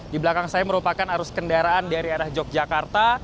di belakang saya merupakan arus kendaraan dari arah yogyakarta